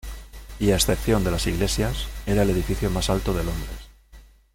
Y a excepción de las iglesias, era el edificio más alto de Londres.